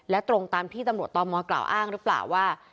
และตรงตามที่ตำรวจตมกล่าวอ้างหรือเปล่าว่า